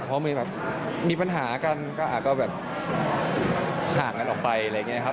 เพราะมีแบบมีปัญหากันก็แบบห่างกันออกไปอะไรอย่างนี้ครับ